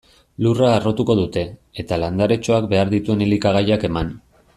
Lurra harrotuko dute, eta landaretxoak behar dituen elikagaiak eman.